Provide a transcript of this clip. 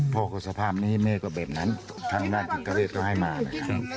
พอกับสภาพนี้แม่ก็แบบนั้นทางด้านอินเตอร์เรศก็ให้มานะครับ